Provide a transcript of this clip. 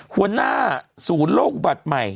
หัวหน้าศูนย์โลกอุบัติใหม่